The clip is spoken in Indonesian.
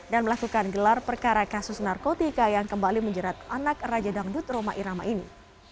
dan melakukan gelar perkara kasus narkotika yang kembali menjerat anak raja dangdut roma irama ini